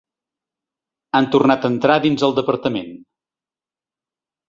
Han tornat a entrar dins el departament.